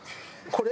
これ？